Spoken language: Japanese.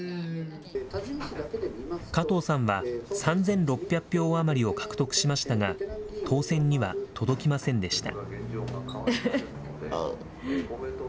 加藤さんは３６００票余りを獲得しましたが、当選には届きませんでした。